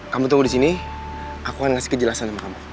kamu tunggu di sini aku akan ngasih kejelasan sama kamu